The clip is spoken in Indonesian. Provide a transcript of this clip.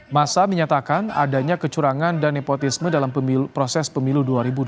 masa menyatakan adanya kecurangan dan nepotisme dalam proses pemilu dua ribu dua puluh